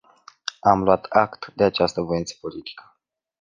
Am luat act de această voință politică.